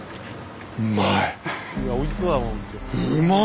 うまい。